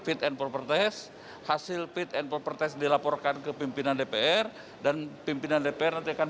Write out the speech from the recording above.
fit and proper test hasil fit and proper test dilaporkan ke pimpinan dpr dan pimpinan dpr nanti akan